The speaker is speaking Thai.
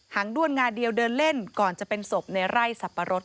งด้วนงาเดียวเดินเล่นก่อนจะเป็นศพในไร่สับปะรด